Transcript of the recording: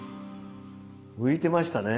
浮いてましたね。